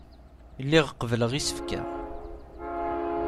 Lliɣ qebbleɣ isefka.